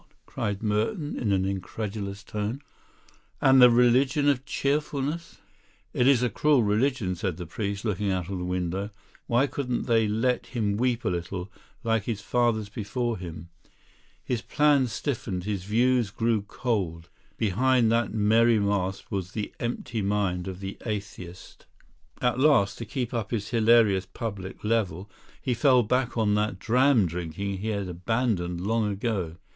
cried Merton in an incredulous tone. "And the Religion of Cheerfulness " "It is a cruel religion," said the priest, looking out of the window. "Why couldn't they let him weep a little, like his fathers before him? His plans stiffened, his views grew cold; behind that merry mask was the empty mind of the atheist. At last, to keep up his hilarious public level, he fell back on that dram drinking he had abandoned long ago.